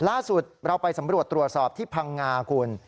ล่าสุดเราไปสำรวจตรวจสอบที่พังงาคุณ